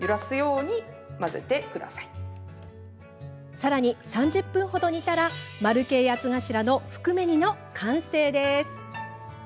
さらに３０分ほど煮たら丸系八つ頭の含め煮の完成です。